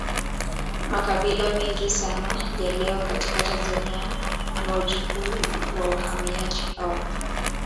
Makabila mengi sana ya leo katika Tanzania ni wajukuu wa wahamiaji hao